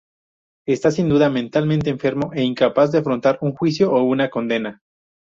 Está sin duda mentalmente enfermo e incapaz de afrontar un juicio o una condena.